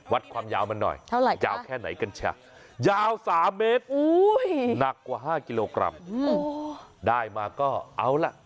วัดความยาวมันหน่อยยาวแค่ไหนกันเชียยาว๓เมตรหนักกว่า๕กิโลกรัมได้มาก็เอาล่ะ